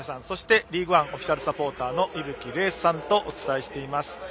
そしてリーグワンオフィシャルサポーターの依吹怜さんとお伝えしています。